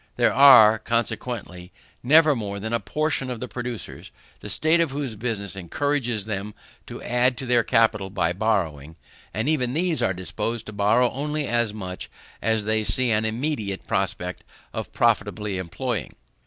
There are, consequently, never more than a portion of the producers, the state of whose business encourages them to add to their capital by borrowing; and even these are disposed to borrow only as much as they see an immediate prospect of profitably employing.